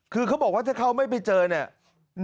คือเขาบอกว่าถ้าเขาไม่ไปเจอเนี่ย